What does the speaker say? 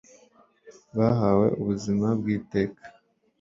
bahabwe ubuzima bw iteka